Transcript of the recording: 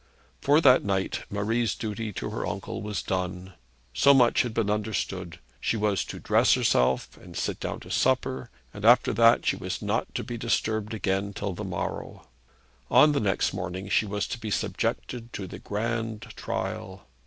For that night Marie's duty to her uncle was done. So much had been understood. She was to dress herself and sit down to supper, and after that she was not to be disturbed again till the morrow. On the next morning she was to be subjected to the grand trial.